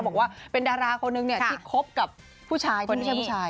บอกว่าเป็นดาราคนหนึ่งที่คบกับผู้ชายคนไม่ใช่ผู้ชาย